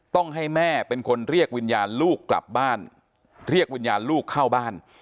ต้องให้แม่เป็นคนเรียกวิญญาณลูกกลับบ้านเรียกวิญญาณลูกเข้าบ้าน